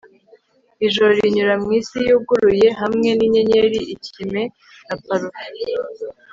Ijoro rinyura mwisi yuguruye hamwe ninyenyeri ikime na parufe